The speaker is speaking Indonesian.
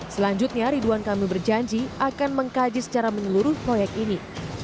selanjutnya ridwan kamil berjanji akan mengkaji secara menyeluruh proyek ini